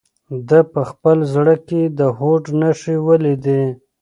ده په خپل زړه کې د هوډ نښې ولیدلې.